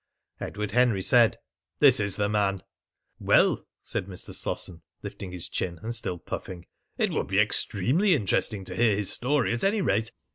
Edward Henry said: "This is the man." "Well," said Mr. Slosson, lifting his chin and still puffing, "it would be extremely interesting to hear his story, at any rate.